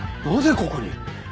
なぜここに！？